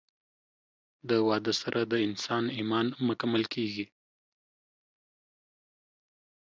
د واده سره د انسان ايمان مکمل کيږي